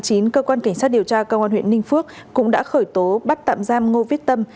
cơ quan cảnh sát điều tra công an huyện ninh phước cũng đã khởi tố bắt tạm giam ngô viết tâm